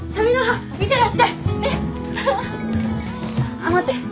あっ待って。